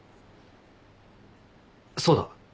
そうだ。